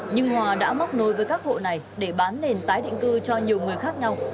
nhưng hòa đã móc nối với các hộ này để bán nền tái định cư cho nhiều người khác nhau